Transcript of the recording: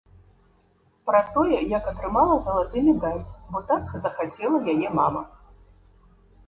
Пра тое, як атрымала залаты медаль, бо так захацела яе мама.